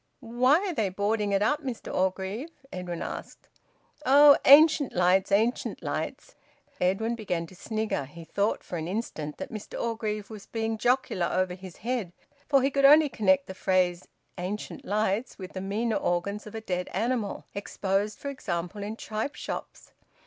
"Why are they boarding it up, Mr Orgreave?" Edwin asked. "Oh! Ancient lights! Ancient lights!" Edwin began to snigger. He thought for an instant that Mr Orgreave was being jocular over his head, for he could only connect the phrase `ancient lights' with the meaner organs of a dead animal, exposed, for example, in tripe shops.